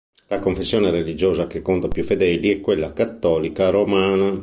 La confessione religiosa che conta più fedeli è quella cattolica romana.